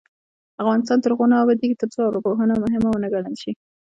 افغانستان تر هغو نه ابادیږي، ترڅو ارواپوهنه مهمه ونه ګڼل شي.